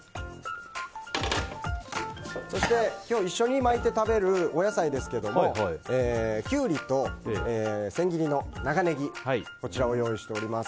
そして、今日一緒に巻いて食べるお野菜ですけどもキュウリと千切りの長ネギこちらを用意しております。